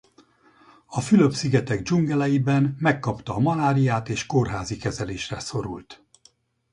A Fülöp-szigetek dzsungeleiben megkapta a maláriát és kórházi kezelésre szorult.